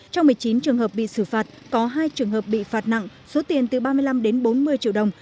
trong một mươi chín trường hợp bị xử phạt có hai trường hợp bị phạt nặng số tiền từ ba mươi năm đến bốn mươi triệu đồng